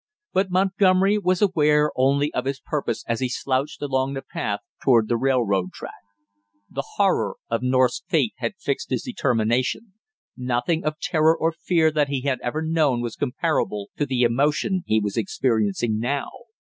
But Montgomery was aware only of his purpose as he slouched along the path toward the railroad track. The horror of North's fate had fixed his determination, nothing of terror or fear that he had ever known was comparable to the emotion he was experiencing now.